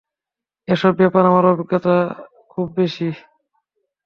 এসব ব্যাপারে আমার অভিজ্ঞতাও খুব বেশি।